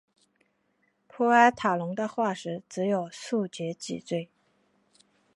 普尔塔龙的化石只有数节脊椎。